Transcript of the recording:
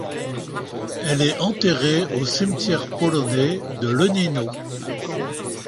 Elle est enterrée au cimetière polonais de Lenino.